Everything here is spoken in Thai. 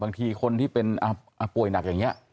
บางทีคนที่เป็นป่วยหนักอย่างนี้